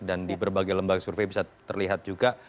dan di berbagai lembaga survei bisa terlihat juga